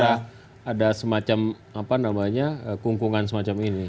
karena ada kumkungan semacam ini